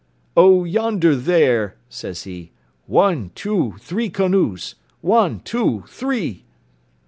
"O yonder there," says he, "one, two, three canoes; one, two, three!"